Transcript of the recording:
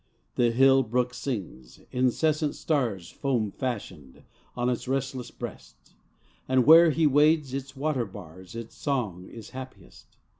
The hill brook sings, incessant stars, Foam fashioned, on its restless breast; And where he wades its water bars Its song is happiest.